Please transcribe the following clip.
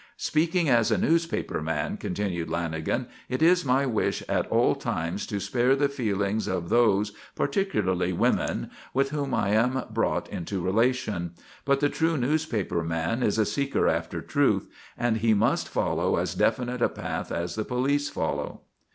"Speaking as a newspaper man," continued Lanagan, "it is my wish at all times to spare the feelings of those, particularly women, with whom I am brought into relation. But the true newspaper man is a seeker after truth, and he must follow as definite a path as the police follow."